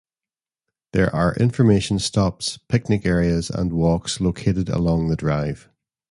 There are information stops, picnic areas and walks located along the drive.